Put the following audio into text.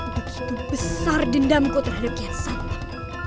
begitu besar dendamku terhadap kian santak